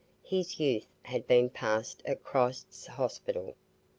His youth had been passed at Christ's Hospital.